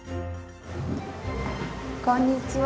こんにちは。